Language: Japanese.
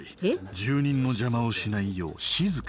住人の邪魔をしないよう静かにね。